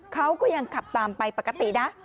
เขาก็ยังขับตามไปปกตินะ